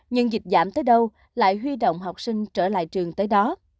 nhưng dịch giảm tới đâu lại huy động học sinh trở lại trường tới đó